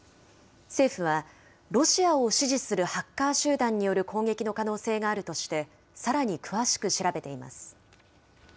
政府は、ロシアを支持するハッカー集団による攻撃の可能性があるとしてさらに詳しく調べています。